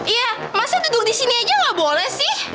iya masa duduk di sini aja nggak boleh sih